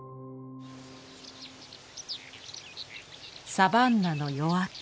サバンナの夜明け。